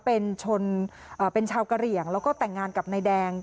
เป็นชาวกะเหลี่ยงแล้วก็แต่งงานกับนายแดง